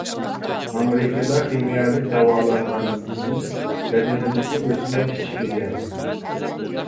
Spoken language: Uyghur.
ئامېرىكىدا خىمىيەلىك داۋالانغاندىن كېيىن بەدىنىدىكى ئۆسمە كىچىكلىگەن.